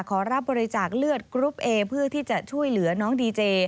ขอรับบริจาคเลือดกรุ๊ปเอเพื่อที่จะช่วยเหลือน้องดีเจ